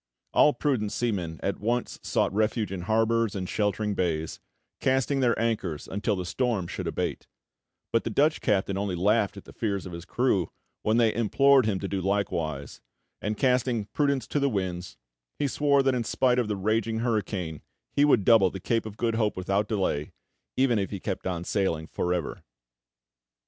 All prudent seamen at once sought refuge in harbours and sheltering bays, casting their anchors until the storm should abate; but the Dutch captain only laughed at the fears of his crew when they implored him to do likewise, and, casting prudence to the winds, he swore that in spite of the raging hurricane he would double the Cape of Good Hope without delay, even if he kept on sailing for ever.